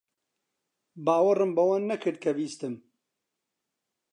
باوەڕم بەوە نەکرد کە بیستم.